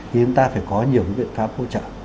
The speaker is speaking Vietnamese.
thì chúng ta phải có nhiều những biện pháp hỗ trợ